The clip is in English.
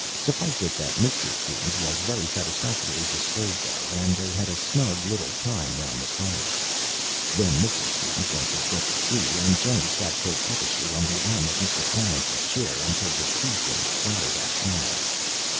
Suffice it that Mr. Coombes was very satisfactorily disposed of, and they had a snug little time round the fire. Then Mrs. Coombes went to get the tea, and Jennie sat coquettishly on the arm of Mr. Clarence's chair until the tea things clattered outside.